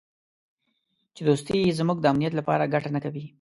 چې دوستي یې زموږ د امنیت لپاره ګټه نه کوي.